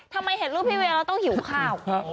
ทำไมเห็นรูปพี่เวียร์แล้วต้องหิวข้าว